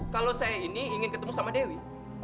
kalau saya ini ingin ketemu sama dewi